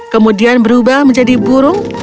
kemudian berubah menjadi burung